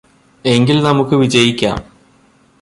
എങ്കില് നമുക്ക് വിജയിക്കാം